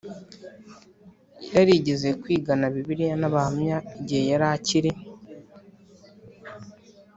yarigeze kwigana Bibiliya n Abahamya igihe yari akiri